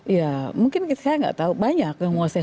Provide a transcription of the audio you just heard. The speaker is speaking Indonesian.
ya mungkin saya tidak tahu banyak yang menguasai